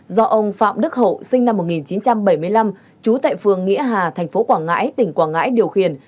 sáu trăm sáu mươi do ông phạm đức hậu sinh năm một nghìn chín trăm bảy mươi năm chú tại phường nghĩa hà tp quảng ngãi tỉnh quảng ngãi điều khiển